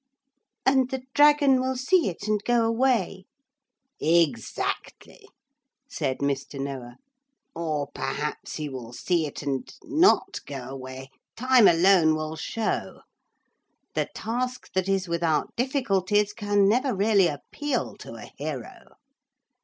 'And the dragon will see it and go away.' 'Exactly,' said Mr. Noah. 'Or perhaps he will see it and not go away. Time alone will show. The task that is without difficulties can never really appeal to a hero.